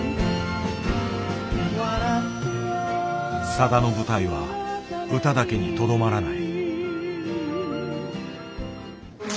さだの舞台は歌だけにとどまらない。